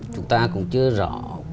chúng ta cũng chưa rõ